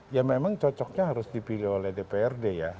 ya memang cocoknya harus dipilih oleh dprd ya